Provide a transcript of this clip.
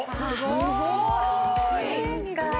すごい。